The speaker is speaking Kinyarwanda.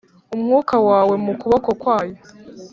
Umwuka wawe mu kuboko kwayo .